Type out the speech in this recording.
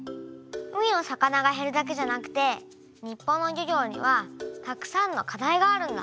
海の魚が減るだけじゃなくて日本の漁業にはたくさんの課題があるんだ。